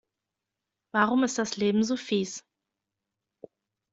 Warum ist das Leben so fieß?